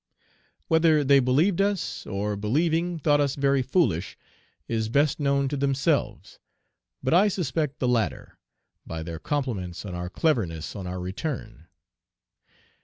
Whether they believed us, or, believing, thought us very foolish, is best known to themselves; but I suspect the latter, by their compliments on our cleverness on Page 344 our return.